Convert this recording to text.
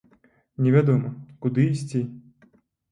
Не вядома, куды ісці.